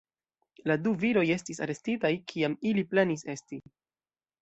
La du viroj estis arestitaj, kiam ili planis esti.